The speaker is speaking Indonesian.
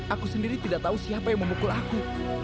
aku sendiri tidak tahu siapa yang mengalahkanku